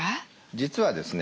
実はですね